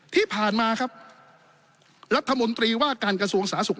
ที่ผ่านมาครับรัฐมนตรีว่าการกระทรวงสาธารณสุข